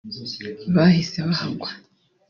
bahise bahagwa